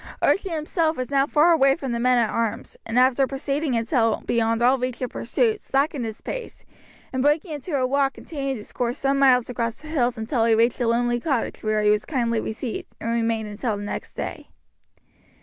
Archie himself was now far away from the men at arms, and after proceeding until beyond all reach of pursuit, slackened his pace, and breaking into a walk continued his course some miles across the hills until he reached a lonely cottage where he was kindly received, and remained until next day.